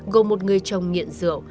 gồm một người chồng nghiện rượu